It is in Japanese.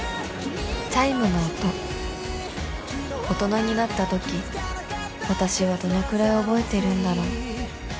チャイムの音大人になったとき私はどのくらい覚えてるんだろう